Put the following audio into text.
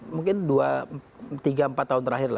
mungkin dua tiga empat tahun terakhir